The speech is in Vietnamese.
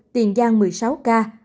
tiền giang một mươi sáu ca